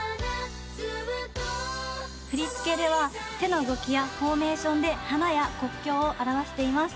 振り付けでは手の動きやフォーメーションで花や国境を表しています。